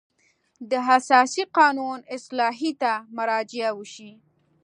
د اساسي قانون اصلاحیې ته مراجعه وشي.